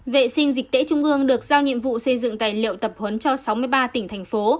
vệ sinh dịch tễ trung ương được giao nhiệm vụ xây dựng tài liệu tập huấn cho sáu mươi ba tỉnh thành phố